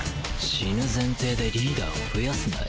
死ぬ前提でリーダーを増やすなよ。